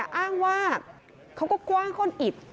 เขาก็อ้างว่าเขาก็กว้างคนอิด